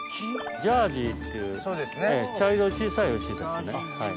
ジャージーっていう茶色い小さい牛ですね。